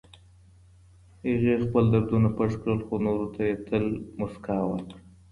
هغې خپل دردونه پټ کړل، خو نورو ته يې تل مسکا ورکړه.